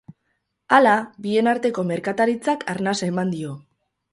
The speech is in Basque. Hala, bien arteko merkataritzak arnasa eman dio.